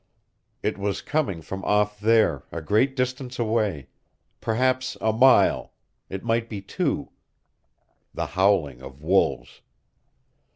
It was coming from off there, a great distance away. Perhaps a mile. It might be two. The howling of wolves!